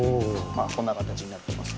まあこんな形になってます。